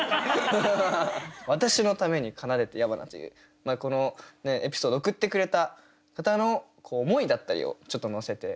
「私のために奏でて矢花」というこのエピソード送ってくれた方の思いだったりをちょっと乗せて。